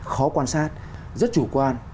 khó quan sát rất chủ quan